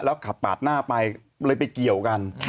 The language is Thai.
แล้วขับปาดหน้าไปเลยไปเกี่ยวกัน